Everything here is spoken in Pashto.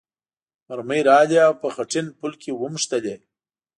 مرمۍ راغلې او په خټین پل کې ونښتلې.